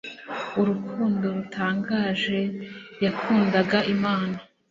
urukundo rutangaje yakundaga imana